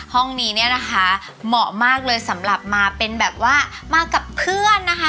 ห้องนี้เหมาะมากเลยสำหรับมากับเพื่อน